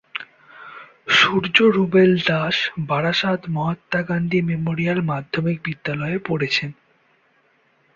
সূর্য Rubel Das Barasat Mahatma Gandhi memorial মাধ্যমিক বিদ্যালয়ে পড়েছেন।